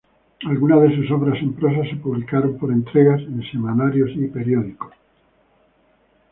Algunas de sus obras en prosa se publicaron por entregas en semanarios y periódicos.